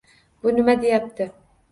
— Bu nima deyapti?